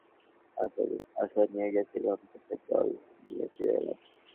আশা নিয়ে গেছিলাম, চোখের জল নিয়ে ফিরে এলাম।